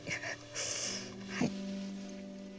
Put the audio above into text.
はい。